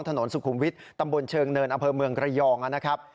ถนนสุขุมวิทย์ตำบลเชิงเนินอำเภอเมืองระยองนะครับ